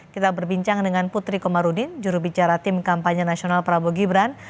kita berbincang dengan putri komarudin jurubicara tim kampanye nasional prabowo gibran